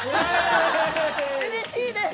うれしいです。